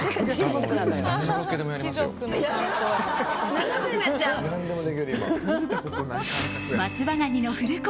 何でもできる、今。